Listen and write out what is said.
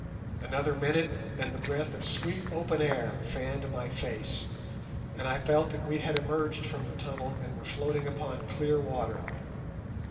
Another minute, and the breath of sweet open air fanned my face, and I felt that we had emerged from the tunnel and were floating upon clear water.